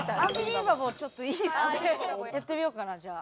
やってみようかなじゃあ。